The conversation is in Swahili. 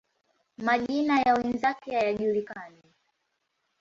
Majina ya wenzake hayajulikani.